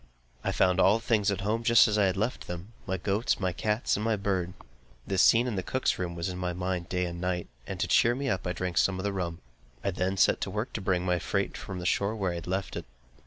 I found all things at home just as I had left them, my goats, my cats, and my bird. The scene in the cook's room was in my mind day and night, and to cheer me up I drank some of the rum. I then set to work to bring my freight from the shore, where I had left it.